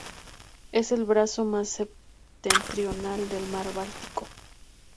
Es el brazo más septentrional del mar Báltico.